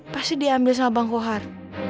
pasti diambil sama bang kohar